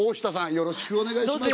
よろしくお願いします。